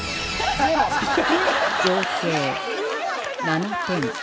合計７点